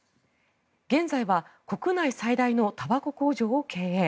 現在は国内最大のたばこ工場を経営。